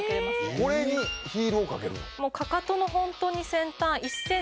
これにヒールを掛けるの？